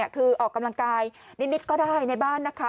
คือออกกำลังกายนิดก็ได้ในบ้านนะคะ